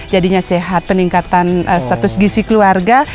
jadinya sehat peningkatan status gisi keluarga